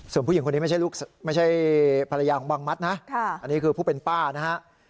ส่วนผู้หญิงคนนี้ไม่ใช่ลูกไม่ใช่ภรรยาของบังมัดนะอันนี้คือผู้เป็นป้านะฮะ